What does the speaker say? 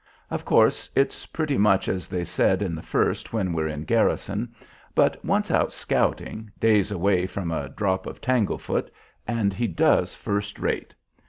Of course, its pretty much as they said in the First when we're in garrison, but, once out scouting, days away from a drop of 'tanglefoot,' and he does first rate.